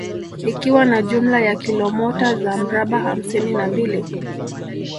Ikiwa na jumla ya kilomota za mraba hamsini na mbili